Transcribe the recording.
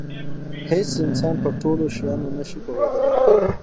هېڅ انسان په ټولو شیانو نه شي پوهېدلی.